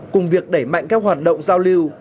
cùng việc đẩy mạnh các hoạt động giao lưu